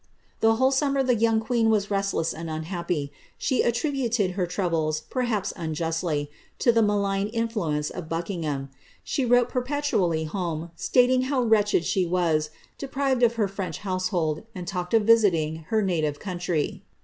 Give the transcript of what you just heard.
The whole summer the young queen was restless and unhappy ; she at tributed her troubles, perhaps unjustly, to the malign influence of Buckings ham ; she wrote perpetually home, stating how wretched she was, de prived of her French household, and talked of visiting her native country.